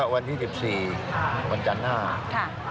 วัน๒๔วันจันทร์๕